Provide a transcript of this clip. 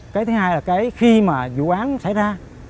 cái thứ hai là cái khi mà vụ án xảy ra